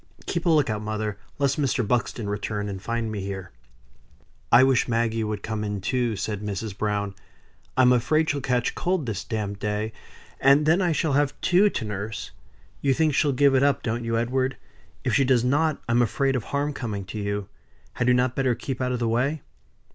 Keep a look out, mother, lest Mr. Buxton returns and find me here." "I wish Maggie would come in too," said Mrs. Browne. "I'm afraid she'll catch cold this damp day, and then I shall have two to nurse. You think she'll give it up, don't you, Edward? If she does not I'm afraid of harm coming to you. Had you not better keep out of the way?"